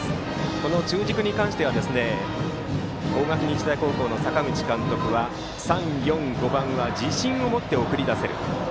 この中軸に関しては大垣日大高校の阪口監督は３、４、５番は自信を持って送り出せる。